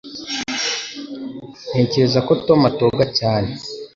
Ntekereza ko Tom atoga cyane